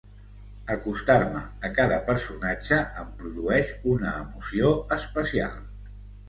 Acostar-me a cada personatge em produeix una emoció especial.